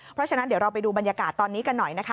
เพราะฉะนั้นเดี๋ยวเราไปดูบรรยากาศตอนนี้กันหน่อยนะคะ